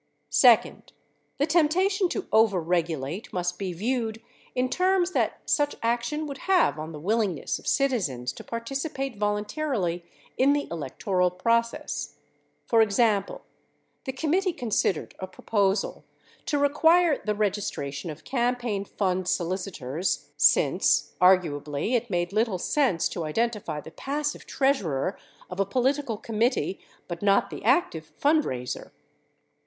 Second, the temptation to overregulate must be viewed in terms that such action would have on the willingness of citizens to participate voluntarily in the electoral process. For example, the committee con sidered a proposal to require the registration of campaign fund solici tors since, arguably, it made little sense to identify the passive treas urer of a political committee but not the active fundraiser.